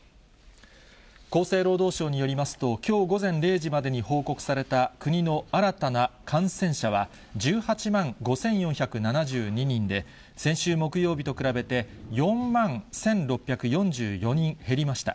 厚生労働省によりますと、きょう午前０時までに報告された国の新たな感染者は、１８万５４７２人で、先週木曜日と比べて４万１６４４人減りました。